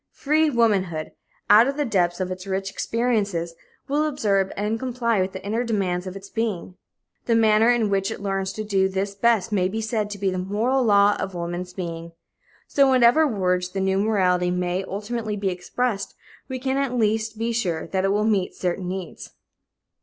Free womanhood, out of the depths of its rich experiences, will observe and comply with the inner demands of its being. The manner in which it learns to do this best may be said to be the moral law of woman's being. So, in whatever words the new morality may ultimately be expressed, we can at least be sure that it will meet certain needs.